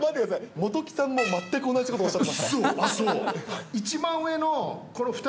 元木さんも、全く同じことおっしゃってました。